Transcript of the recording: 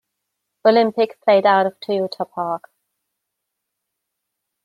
Olympic played out of Toyota Park.